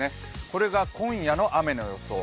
これが今夜の雨の予想。